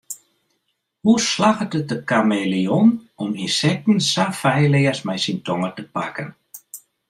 Hoe slagget it de kameleon om ynsekten sa feilleas mei syn tonge te pakken?